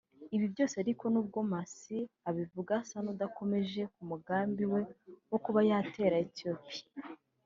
Ibi byose ariko n’ubwo Mursi abivuga asa n’udakomeje ku mugambi we wo kuba yatera Ethiopia